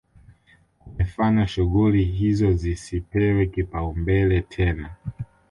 Kumefanya shughuli hizo zisipewe kipaumbele tena